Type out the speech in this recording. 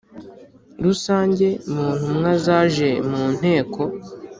Rusange mu ntumwa zaje mu nteko